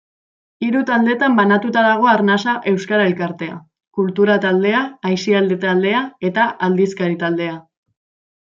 Hiru taldetan banatua dago Arnasa euskara-elkartea: kultura-taldea, aisialdi-taldea eta aldizkari-taldea.